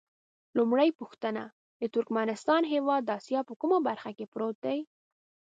لومړۍ پوښتنه: د ترکمنستان هېواد د اسیا په کومه برخه کې پروت دی؟